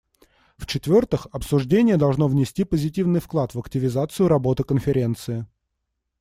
В-четвертых, обсуждение должно внести позитивный вклад в активизацию работы Конференции.